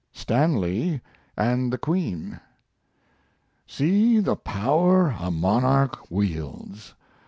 STANLEY AND THE QUEEN See the power a monarch wields!